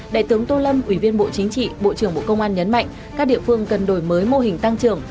đại tướng tô lâm ủy viên bộ chính trị bộ trưởng bộ công an nhấn mạnh các địa phương cần đổi mới mô hình tăng trưởng